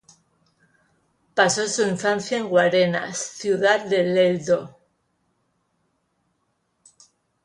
Pasó su infancia en Guarenas ciudad del Edo.